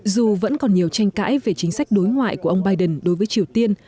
dù vẫn còn nhiều tranh cãi về chính sách đối ngoại của ông biden đối với triều tiên